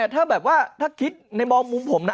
ถ้าแบบว่าถ้าคิดในมองมุมผมนะ